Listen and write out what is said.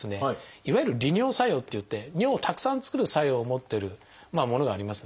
いわゆる利尿作用っていって尿をたくさん作る作用を持ってるものがありますね。